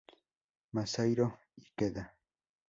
Masahiro Ikeda